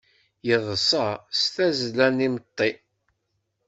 Yeḍṣa s tazzla n imeṭṭi!